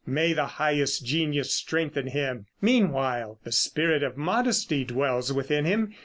May the highest genius strengthen him! Meanwhile the spirit of modesty dwells within him.